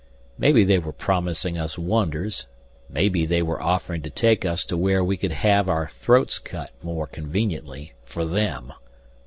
Maybe they were promising us wonders, maybe they were offering to take us to where we could have our throats cut more conveniently for them!